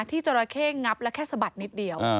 จราเข้งับแล้วแค่สะบัดนิดเดียว